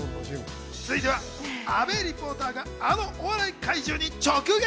続いては、阿部リポーターがあのお笑い怪獣に直撃。